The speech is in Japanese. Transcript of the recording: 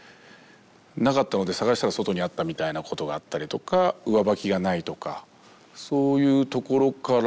なかったので探したら外にあったみたいなことがあったりとか上履きがないとかそういうところから最初始まりましたね。